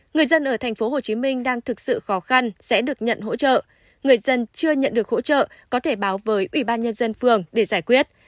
người dân ở tp hcm đang thực sự khó khăn sẽ được nhận hỗ trợ người dân chưa nhận được hỗ trợ có thể báo với ubnd phường để giải quyết